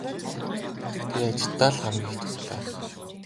Би ажилдаа л хамгийн их дуртай.